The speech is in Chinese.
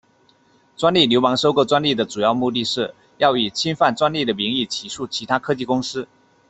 专利流氓收购专利的主要目的是要以侵犯专利的名义起诉其他科技公司。